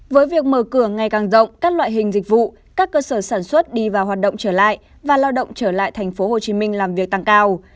với việc mở cửa ngày càng rộng các loại hình dịch vụ các cơ sở sản xuất đi vào hoạt động trở lại và lao động trở lại tp hcm làm việc tăng cao